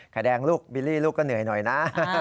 แดงลูกบิลลี่ลูกก็เหนื่อยหน่อยนะ